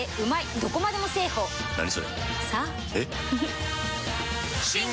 どこまでもだあ！